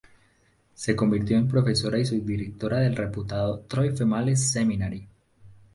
Se convirtió en profesora y subdirectora del reputado Troy Female Seminary.